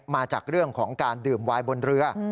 มาจากเรื่องของการดื่มวายบนเรือ